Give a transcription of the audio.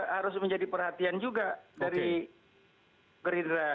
harus menjadi perhatian juga dari gerindra